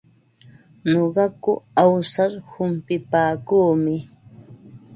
Nuqaku awsar humpipaakuumi.